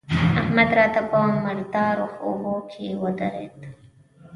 احمد راته په مردارو اوبو کې ودرېد.